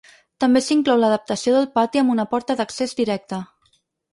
També s’inclou l’adaptació del pati amb una porta d’accés directe.